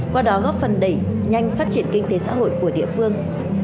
qua đó góp phần đẩy nhanh phát triển kinh tế xã hội của địa phương